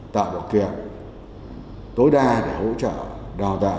tạo điều kiện tối đa để hỗ trợ đào tạo